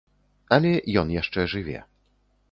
Але ён яшчэ жыве.